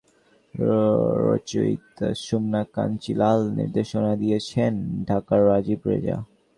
নাটকটি লিখেছেন পশ্চিমবঙ্গের রচয়িতা সুমনা কাঞ্জিলাল, নির্দেশনা দিয়েছেন ঢাকার রাজীব রেজা।